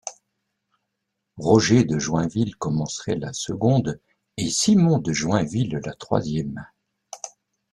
Roger de Joinville commencerait la seconde, et Simon de Joinville, la troisième.